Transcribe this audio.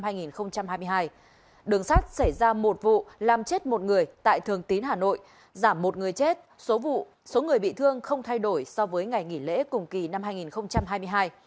trong số các vụ tai nạn giao thông trên đường sát xảy ra một vụ làm chết một người tại thường tín hà nội giảm một người chết số người bị thương không thay đổi so với ngày nghỉ lễ cùng kỳ năm hai nghìn hai mươi hai